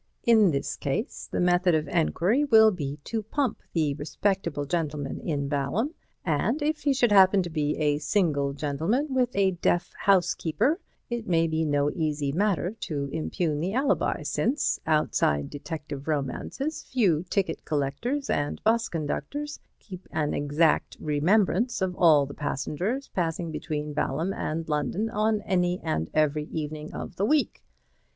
In this case, the method of enquiry will be to pump the respectable gentleman in Balham, and if he should happen to be a single gentleman with a deaf housekeeper, it may be no easy matter to impugn the alibi, since, outside detective romances, few ticket collectors and 'bus conductors keep an exact remembrance of all the passengers passing between Balham and London on any and every evening of the week.